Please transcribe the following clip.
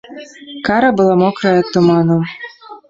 Кара была мокрая ад туману.